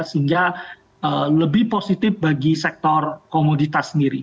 sehingga lebih positif bagi sektor komoditas sendiri